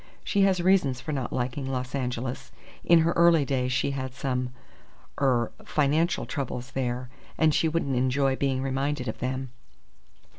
She has reasons for not liking Los Angeles. In her early days she had some er financial troubles there, and she wouldn't enjoy being reminded of them."